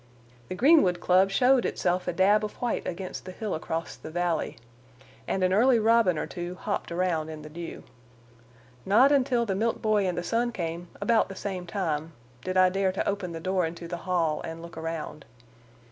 The Greenwood Club showed itself a dab of white against the hill across the valley, and an early robin or two hopped around in the dew. Not until the milk boy and the sun came, about the same time, did I dare to open the door into the hall and look around.